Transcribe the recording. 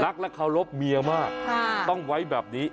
เคารพเมียมากต้องไว้แบบนี้